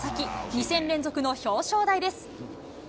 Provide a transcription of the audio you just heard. ２戦連続の表彰台です。